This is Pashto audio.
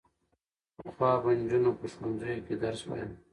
پخوا به نجونو په ښوونځیو کې درس وايه.